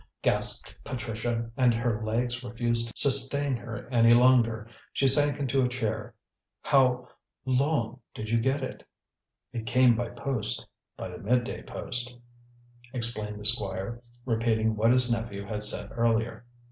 gasped Patricia, and her legs refused to sustain her any longer. She sank into a chair. "How how did you get it?" "It came by post by the mid day post," explained the Squire, repeating what his nephew had said earlier.